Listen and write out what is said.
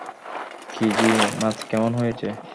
Keiji, মাছ কেমন হয়েছে?